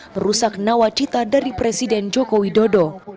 merusak nawacita dari presiden joko widodo